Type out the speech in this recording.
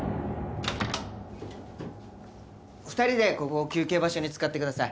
２人でここ休憩場所に使ってください。